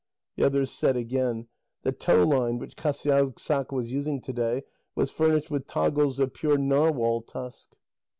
The others said again: "The tow line which Qasiagssaq was using to day was furnished with toggles of pure narwhal tusk."